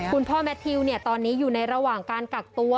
คุณพ่อแมททิวตอนนี้อยู่ในระหว่างการกักตัว